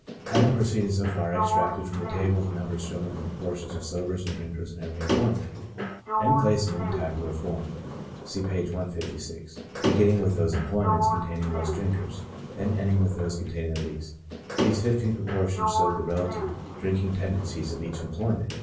Having proceeded so far, I extracted from the table the numbers showing the proportions of sobers and drinkers in every employment, and placed them in a tabular form, (see p. 156,) beginning with those employments containing most drinkers, and ending with those containing the least ; these fifteen proportions showed the relative drinking tendencies of each employment.